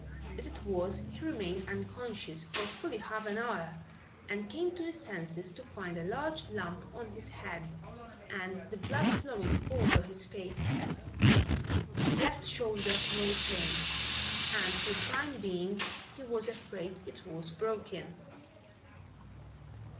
As it was he remained unconscious for fully half an hour, and came to his senses to find a large lump on his head and the blood flowing over his face. His left shoulder was lame and for the time being he was afraid it was broken.